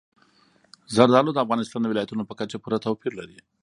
زردالو د افغانستان د ولایاتو په کچه پوره توپیر لري.